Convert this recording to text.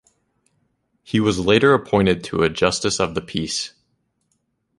He was later appointed a Justice of the Peace.